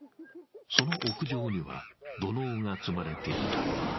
その屋上には、土のうが積まれていた。